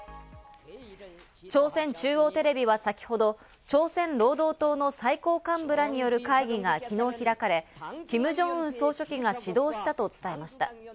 朝鮮中央テレビは先ほど、朝鮮労働党の最高幹部らによる会議が昨日開かれ、キム・ジョンウン総書記が指導したと伝えました。